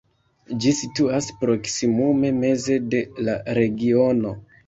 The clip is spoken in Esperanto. Ĝi situas proksimume meze de la regiono.